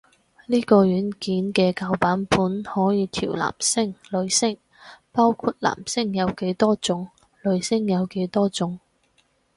呢個軟件嘅舊版本可以調男聲女聲，包括男聲有幾多種女聲有幾多種